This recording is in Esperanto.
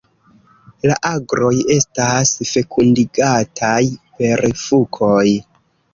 La agroj estas fekundigataj per fukoj.